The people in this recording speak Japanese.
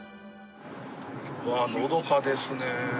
うわのどかですね。